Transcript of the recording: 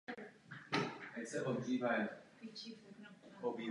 V pozdějších letech pak sepsal ještě několik dalších románů s historickou tematikou.